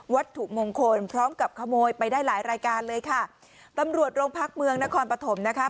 ถูกมงคลพร้อมกับขโมยไปได้หลายรายการเลยค่ะตำรวจโรงพักเมืองนครปฐมนะคะ